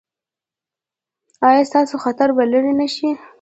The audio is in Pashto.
ایا ستاسو خطر به لرې نه شي؟